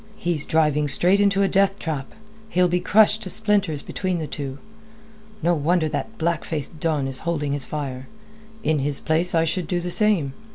"He's driving straight into a death trap. He'll be crushed to splinters between the two. No wonder that black faced Don is holding his fire. In his place, I should do the same."